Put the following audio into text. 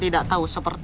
aku akan menang